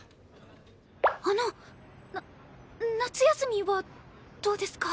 あのな夏休みはどうですか？